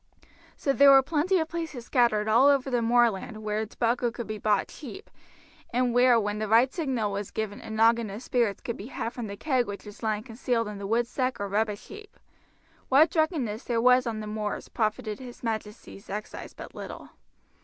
So there were plenty of places scattered all over the moorland where tobacco could be bought cheap, and where when the right signal was given a noggin of spirits could be had from the keg which was lying concealed in the wood stack or rubbish heap. What drunkenness there was on the moors profited his majesty's excise but little.